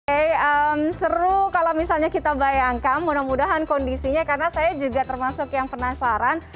eh seru kalau misalnya kita bayangkan mudah mudahan kondisinya karena saya juga termasuk yang penasaran